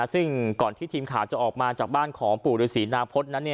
ซึ่งก่อนที่ทรีมข่าวจะออกมาจากบ้านของปู่หรือสีนาพท